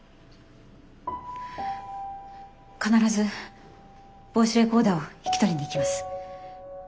必ずボイスレコーダーを引き取りに行きます。